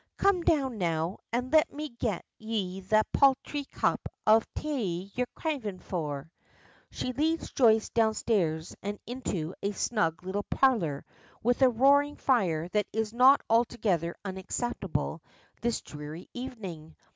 "Come down now, and let me get ye that palthry cup o' tay y'are cravin' for." She leads Joyce downstairs and into a snug little parlor with a roaring fire that is not altogether unacceptable this dreary evening.